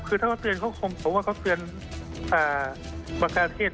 คือถ้าว่าเตือนเขาคงคงว่าเขาเตือน